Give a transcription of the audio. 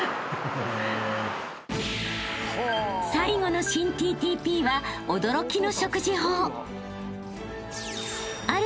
［最後の新ＴＴＰは驚きの食事法］